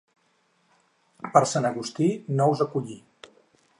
Per Sant Agustí, nous a collir.